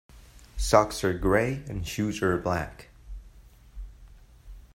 Socks are grey and shoes are black.